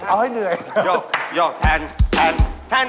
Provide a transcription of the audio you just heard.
โหอย่างนั้น